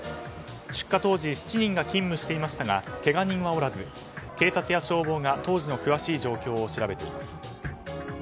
出火当時７人が勤務していましたがけが人はおらず警察や消防が当時の詳しい状況を調べています。